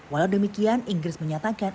walau demikian inggris menyatakan